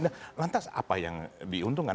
nah lantas apa yang diuntungkan